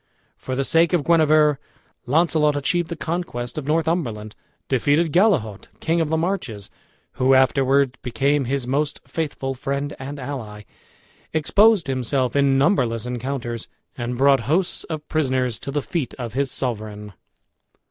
For the sake of Guenever, Launcelot achieved the conquest of Northumberland, defeated Gallehaut, King of the Marches, who afterwards became his most faithful friend and ally, exposed himself in numberless encounters, and brought hosts of prisoners to the feet of his sovereign.